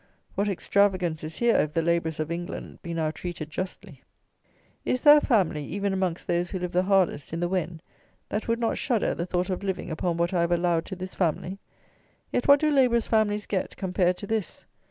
what extravagance is here, if the labourers of England be now treated justly! Is there a family, even amongst those who live the hardest, in the Wen, that would not shudder at the thought of living upon what I have allowed to this family? Yet what do labourers' families get, compared to this?